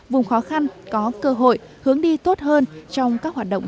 vùng khó khăn có cơ hội hướng đi tốt hơn trong các hoạt động